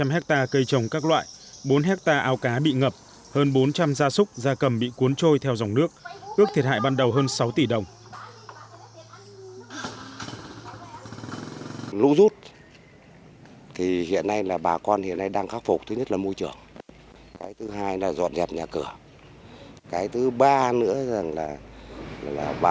hơn ba trăm linh hectare cây trồng các loại bốn hectare áo cá bị ngập